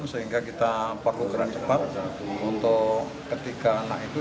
sehingga kita perlukan cepat untuk ketiga anak itu